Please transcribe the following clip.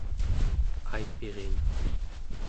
Aipirin